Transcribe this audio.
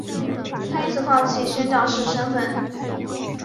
她因此放弃宣教士身分。